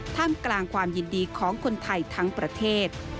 ท่ามกลางความยินดีของคนไทยทั้งประเทศ